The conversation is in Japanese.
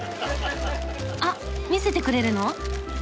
あっ見せてくれるの？